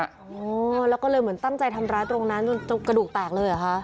อ๋อแล้วก็เลยเหมือนตั้งใจทำร้ายตรงนั้นจนกระดูกแตกเลยเหรอคะ